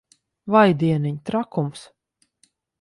Vai dieniņ! Trakums.